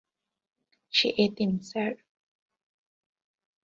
সে এতিম, স্যার।